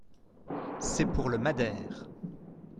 C’est pour le madère !